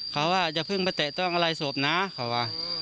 เขาว่าจะเพิ่งมาเตะต้องอะไรสบหน้าก็ว่า